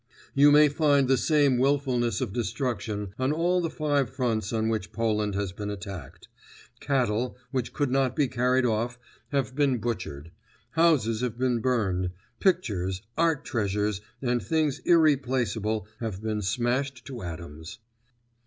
You may find the same wilfulness of destruction on all the five fronts on which Poland has been attacked. Cattle, which could not be carried off, have been butchered. Houses have been burned. Pictures, art treasures and things irreplaceable have been smashed to atoms.